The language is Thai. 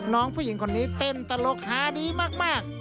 น้องผู้หญิงคนนี้เต้นตลกหาดีมาก